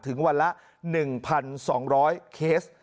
ถึงวันละ๑๒๐๐เคส